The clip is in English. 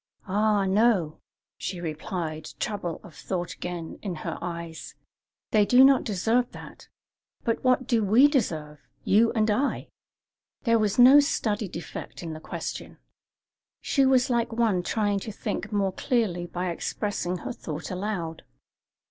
"Ah, no," she replied, trouble of thought again in her eyes; "they do not deserve that. But what do we deserve you and I?" There was no studied effect in the question. She was like one trying to think more clearly by expressing her thought aloud.